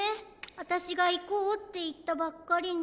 あたしが「いこう」っていったばっかりに。